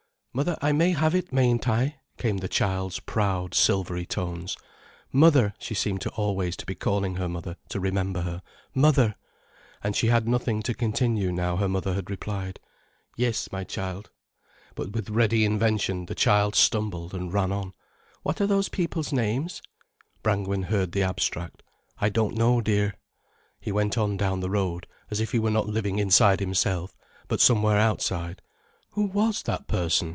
"Mother", I may have it, mayn't I?" came the child's proud, silvery tones. "Mother"—she seemed always to be calling her mother to remember her—"mother"—and she had nothing to continue now her mother had replied "Yes, my child." But, with ready invention, the child stumbled and ran on, "What are those people's names?" Brangwen heard the abstract: "I don't know, dear." He went on down the road as if he were not living inside himself, but somewhere outside. "Who was that person?"